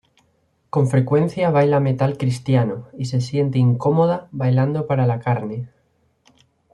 Con frecuencia baila metal cristiano, y se siente incómoda "bailando para la carne".